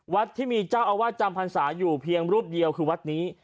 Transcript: วัดที่มีเจ้าอาวาสจำพรรษาอยู่เพียงรูปเดียวคือวัดนี้